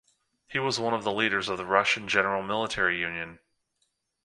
He was one of the leaders of the Russian General Military Union.